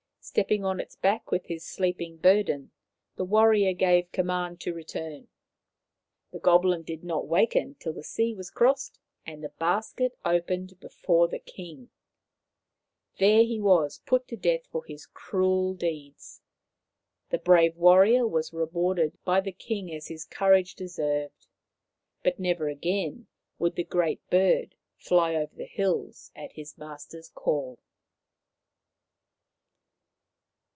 Stepping on its back with his sleeping burden, the warrior gave command to return. The goblin did not The Great Bird of the Hills 223 waken till the sea was crossed and the basket opened before the king. There he was put to death for his cruel deeds. The brave warrior was rewarded by the king as his courage deserved. But never again would the Great Bird fly over the hills at his master's call.